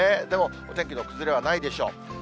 でもお天気の崩れはないでしょう。